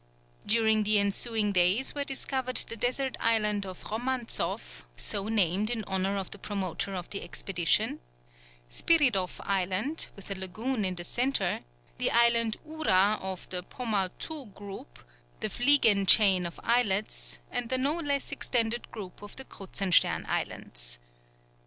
During the ensuing days were discovered the desert island of Romantzoff, so named in honour of the promoter of the expedition; Spiridoff Island, with a lagoon in the centre; the Island Oura of the Pomautou group, the Vliegen chain of islets, and the no less extended group of the Kruzenstern Islands.